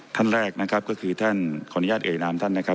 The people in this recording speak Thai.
ท่านแรกนะครับก็คือท่านขออนุญาตเอ่ยนามท่านนะครับ